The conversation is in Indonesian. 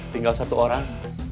tinggal satu orang